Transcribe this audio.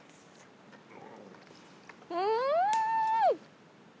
うん！